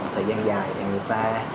một thời gian dài thì người ta